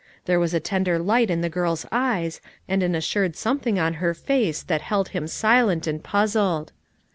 There was a tender light in the girl's eyes, and an assured something on her face that held him silent and puzzled.